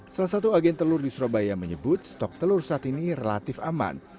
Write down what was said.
salah satu agen telur di surabaya menyebut stok telur saat ini relatif aman